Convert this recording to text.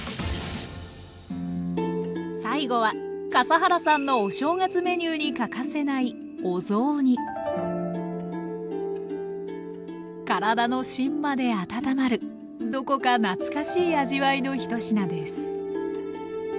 最後は笠原さんのお正月メニューに欠かせないお雑煮体の芯まで温まるどこか懐かしい味わいの１品です